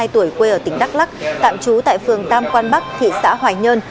hai mươi tuổi quê ở tỉnh đắk lắc tạm trú tại phường tam quan bắc thị xã hoài nhơn